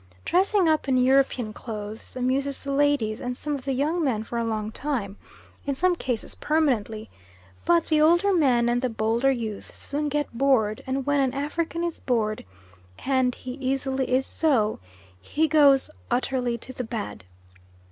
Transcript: Dressing up in European clothes amuses the ladies and some of the young men for a long time, in some cases permanently, but the older men and the bolder youths soon get bored, and when an African is bored and he easily is so he goes utterly to the bad.